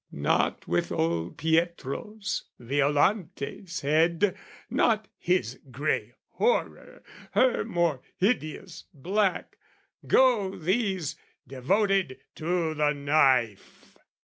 "Not with old Pietro's, Violante's head, "Not his grey horror, her more hideous black "Go these, devoted to the knife!"